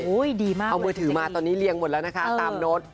ดีมากเอามือถือมาตอนนี้เรียงหมดแล้วนะคะตามโน้ต